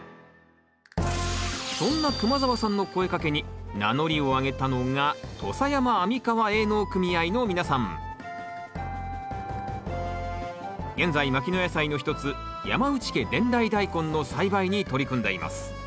そんな熊澤さんの声かけに名乗りを上げたのが現在牧野野菜の一つ山内家伝来大根の栽培に取り組んでいます。